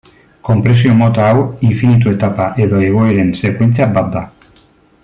Konpresio mota hau infinitu etapa edo egoeren sekuentzia bat da.